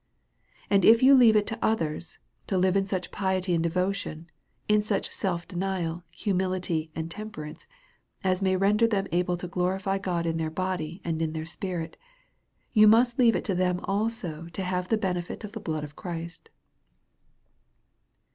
And if you leave it to others, to live in such piety and devotion, in such self denial, humility, and tem perance, as may render them able to glorify God in their body and in their spirit ; you must leave it to them also to have the benefit of the blood of Christ.